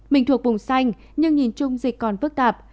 mình thuộc vùng xanh nhưng nhìn chung dịch còn phức tạp